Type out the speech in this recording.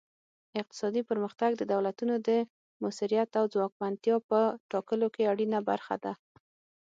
اقتصادي پرمختګ د دولتونو د موثریت او ځواکمنتیا په ټاکلو کې اړینه برخه ده